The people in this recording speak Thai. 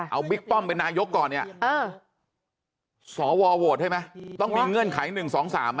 เอาบิ๊กป้อมเป็นนายกก่อนเนี่ยสวโหวตให้ไหมต้องมีเงื่อนไข๑๒๓ไหม